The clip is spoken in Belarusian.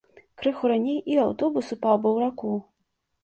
Крыху раней, і аўтобус упаў бы ў раку.